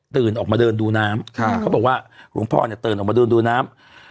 ออกมาเดินดูน้ำเขาบอกว่าหลวงพ่อเนี่ยตื่นออกมาเดินดูน้ำ